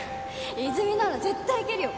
泉なら絶対いけるよ。